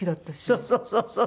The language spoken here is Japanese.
そうそうそうそう！